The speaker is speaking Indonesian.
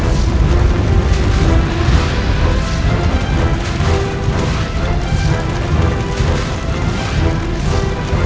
aku sangat berharap kamu sedang melihat ceritas dbadu rico